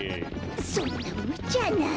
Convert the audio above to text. そんなむちゃな。